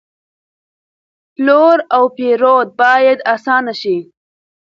پلور او پېرود باید آسانه شي.